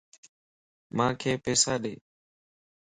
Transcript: مانک پيسا ڏي